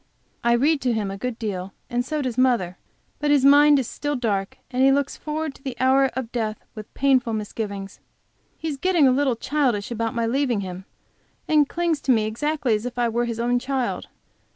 I read to him a good deal, and so does mother, but his mind is still dark, and he looks forward to the hour of death with painful misgivings. He is getting a little childish about my leaving him, and clings to me exactly as if I were his own child.